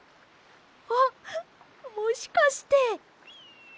あっもしかして！